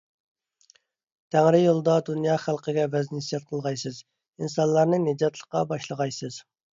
تەڭرى يولىدا دۇنيا خەلقىگە ۋەز - نەسىھەت قىلغايسىز، ئىنسانلارنى نىجاتلىققا باشلىغايسىز.